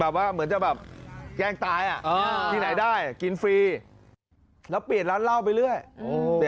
เปลี่ยนร้านเหล้าไปแล้ว